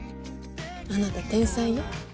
あなた天才よ